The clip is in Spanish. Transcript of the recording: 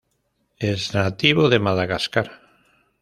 Es nativo de Madagascar.